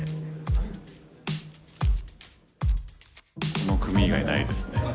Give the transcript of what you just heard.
この組以外ないですね。